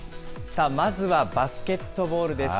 さあ、まずはバスケットボールです。